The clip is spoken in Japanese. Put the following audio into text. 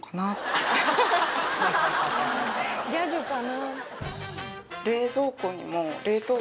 ギャグかな？